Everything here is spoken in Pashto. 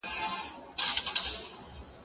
هغه مخالفت چي علمي وي باید ومنل سي.